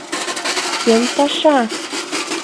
КӦН ПАША?